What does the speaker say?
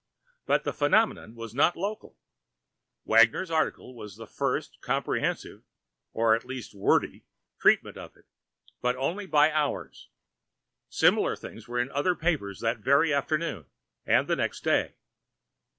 But the phenomenon was not local. Wagoner's article was the first comprehensive (or at least wordy) treatment of it, but only by hours. Similar things were in other papers that very afternoon, and the next day.